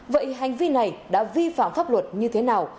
vậy hành vi này đã vi phạm pháp luật như thế nào